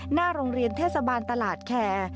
หน้าโรงเรียนเทศบาลตลาดแคร์